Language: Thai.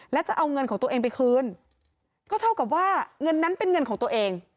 และจะเอาเงินของตัวเองไปคืนก็เท่ากับว่าเงินนั้นเป็นเงินของตัวเอง